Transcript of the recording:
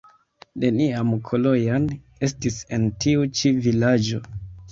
Neniam Kalojan estis en tiu ĉi vilaĝo.